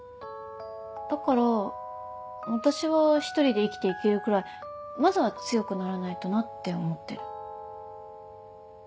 だから私は１人で生きていけるくらいまずは強くならないとなって思ってる。